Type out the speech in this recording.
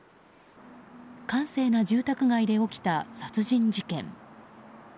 閑静な住宅街で起きた殺人事件。